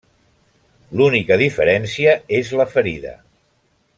L'única diferència és la ferida.